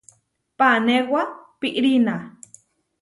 Panéwa piʼrína.